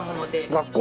学校？